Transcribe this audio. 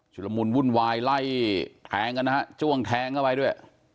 ละมุนวุ่นวายไล่แทงกันนะฮะจ้วงแทงเข้าไปด้วย